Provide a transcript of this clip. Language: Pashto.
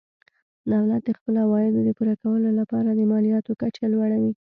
دولت د خپلو عوایدو د پوره کولو لپاره د مالیاتو کچه لوړوي.